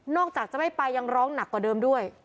จากจะไม่ไปยังร้องหนักกว่าเดิมด้วย